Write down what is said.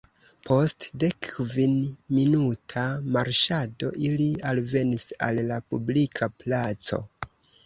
Post dekkvinminuta marŝado ili alvenis al la publika placo.